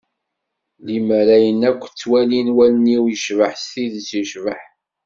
Limmer ayen akk ttwalint wallen-iw yecbeḥ d tidet yecbeḥ.